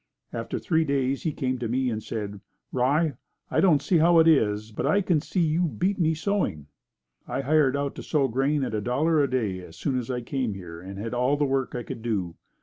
After three days he came to me and said, "Rye, I don't see how it is, but I can see you beat me sowing." I hired out to sow grain at $1.00 a day as soon as I came here and had all the work I could do.